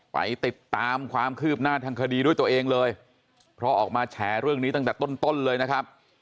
ไปติดตามความคืบหน้าทางคดีด้วยตัวเองเลยเพราะออกมาแฉเรื่องนี้ตั้งแต่ต้นเลยนะครับ